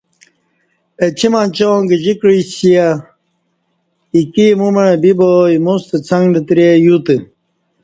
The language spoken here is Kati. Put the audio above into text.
اچی منچاں گجی کعسِیا ایکی ایمو مع بیبا اِیمُو ستہ څنگ لتریں یوتہ۔